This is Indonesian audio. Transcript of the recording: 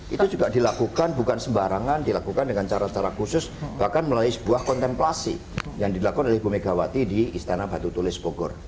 itu juga dilakukan bukan sembarangan dilakukan dengan cara cara khusus bahkan melalui sebuah kontemplasi yang dilakukan oleh ibu megawati di istana batu tulis bogor